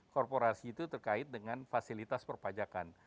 korporasi itu terkait dengan fasilitas perpajakan